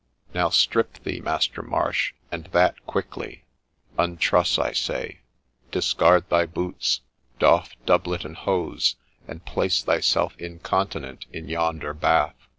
' Now strip thee, Master Marsh, and that quickly : untruss, I say ! discard thy boots, doff doublet and hose, and place thyself incontinent in yonder bath.'